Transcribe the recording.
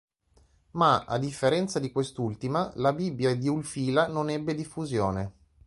Ma, a differenza di quest'ultima, la Bibbia di Ulfila non ebbe diffusione.